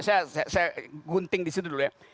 coba coba saya gunting disitu dulu ya